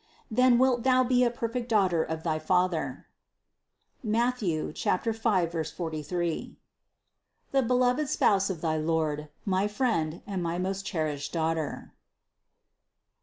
Then wilt thou be a perfect daughter of thy Father (Matth. 5, 43), the beloved spouse of thy Lord, my friend and my most cherished daughter.